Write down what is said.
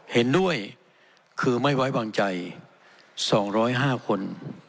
เห็นด้วยคือไม่ไว้วางใจสองร้อยห้าคน